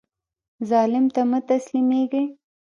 ظالم ته مه تسلیمیږئ